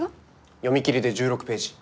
読み切りで１６ページ。